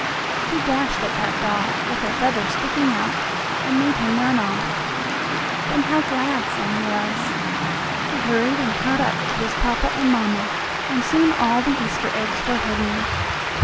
She dashed at that dog, with her feathers sticking out, and made him run off. Then how glad Sammie was! He hurried and caught up to his papa and mamma, and soon all the Easter eggs were hidden.